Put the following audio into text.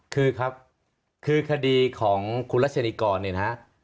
คือครับคือคดีของคุณรัชนิกรเนี่ยนะฮะ